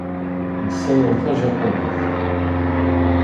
Nessawal tajapunit.